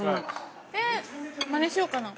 えっマネしようかな。